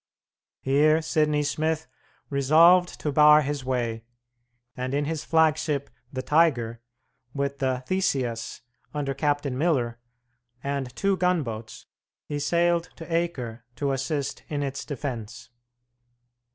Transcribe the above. Here Sidney Smith resolved to bar his way, and in his flagship the Tigre, with the Theseus, under Captain Miller, and two gunboats, he sailed to Acre to assist in its defence.